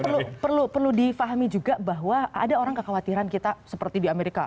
itu perlu difahami juga bahwa ada orang kekhawatiran kita seperti di amerika